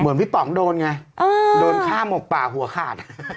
เหมือนพี่ป๋องโดนไงโดนข้ามหมกป่าหัวขาด